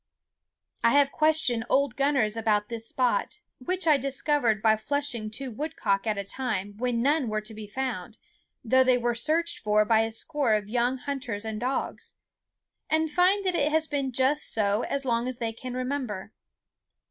I have questioned old gunners about this spot, which I discovered by flushing two woodcock at a time when none were to be found, though they were searched for by a score of young hunters and dogs, and find that it has been just so as long as they can remember.